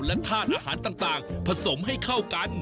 และธาตุอาหารต่างผสมให้เข้ากัน